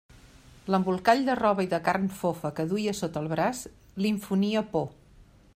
L'embolcall de roba i de carn fofa que duia sota el braç li infonia por.